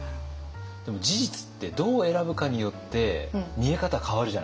でも事実ってどう選ぶかによって見え方変わるじゃないですか。